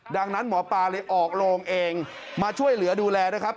ดังนั้นหมอปลาเลยออกโรงเองมาช่วยเหลือดูแลนะครับ